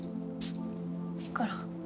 いいから。